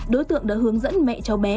đối tượng đã hướng dẫn mẹ cháu bé